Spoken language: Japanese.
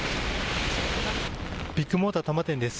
ビッグモーター多摩店です。